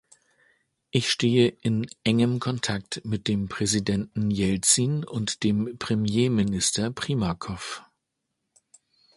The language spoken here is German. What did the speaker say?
Ich stehe in engem Kontakt mit dem Präsidenten Jelzin und dem Premierminister Primakow.